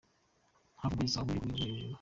Havumbuwe zahabu yo ku rwego rwo hejuru